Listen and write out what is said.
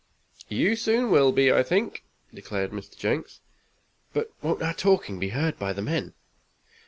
"You soon will be, I think," declared Mr. Jenks. "But won't our talking be heard by the men?"